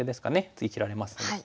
次切られますので。